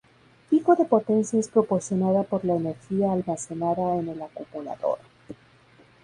Pico de potencia es proporcionada por la energía almacenada en el acumulador.